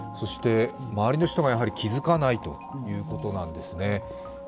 周りの人が気付かないということなんですね。